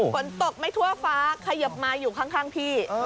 ฝนตกไม่ทั่วฟ้าขยิบมาอยู่ข้างพี่